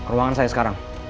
ruangan saya sekarang